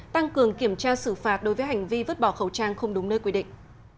tăng cường kiểm tra xử phạt đối với hành vi vứt bỏ khẩu trang không đúng nơi quy định